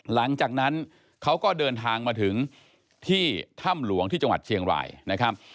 หลังจากนั้นเขาก็เดินทางมาถึงที่ถ้ำหลวงที่จังหวัดเชียงรายนะครับ